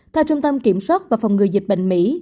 theo trung tâm kiểm soát và phòng ngừa dịch bệnh mỹ